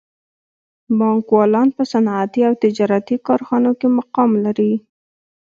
بانکوالان په صنعتي او تجارتي کارخانو کې مقام لري